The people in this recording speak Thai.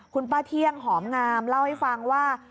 คุณป้าเที่ยงหอมงามเล่าให้ฟังว่า